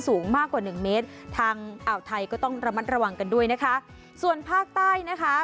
สูงมากกว่าหนึ่งเมตรทางอ่าวไทยก็ต้องระมัดระวังกันด้วยนะคะส่วนภาคใต้นะคะ